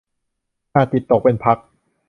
อาจจิตตกเป็นพัก